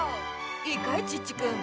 いいかいチッチくん